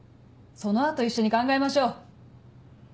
その後一緒に考えましょう。